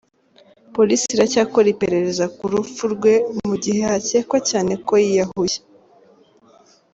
Police iracyakora iperereza ku rupfu rwe mu gihe hakekwa cyane ko yiyahuye.